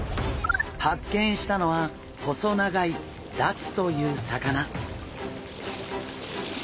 発見したのは細長いダツという魚。